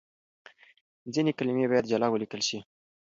ځينې کلمې بايد جلا وليکل شي.